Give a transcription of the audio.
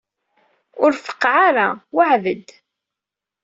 Ur feqqeɛ ara, weɛɛed-d!